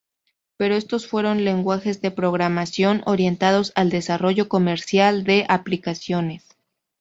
Pero estos fueron lenguajes de programación orientados al desarrollo comercial de aplicaciones.